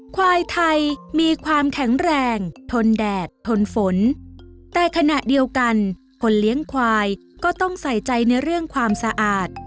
ควายไทยมีความแข็งแรงทนแดดทนฝนแต่ขณะเดียวกันคนเลี้ยงควายก็ต้องใส่ใจในเรื่องความสะอาด